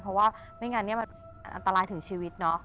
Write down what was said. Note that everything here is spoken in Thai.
เพราะว่าไม่อย่างนั้นมันอัตรายถึงชีวิต